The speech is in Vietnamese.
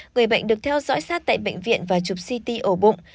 người bệnh được theo dõi sát tại bệnh viện và chụp ct ổ bụng